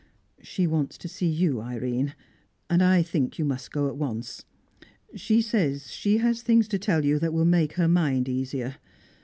She wants to see you, Irene, and I think you must go at once. She says she has things to tell you that will make her mind easier.